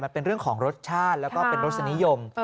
มันเป็นเรื่องของรสชาติแล้วก็เป็นรสนิยม